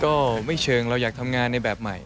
ก็ไม่เชิงเราอยากทำงานในแบบใหม่